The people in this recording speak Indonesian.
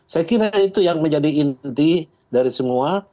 saya kira itu yang menjadi inti dari semua